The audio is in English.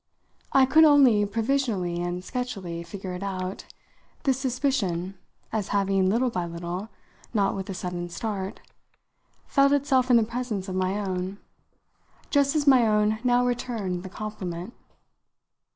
I could only, provisionally and sketchily, figure it out, this suspicion, as having, little by little not with a sudden start felt itself in the presence of my own, just as my own now returned the compliment.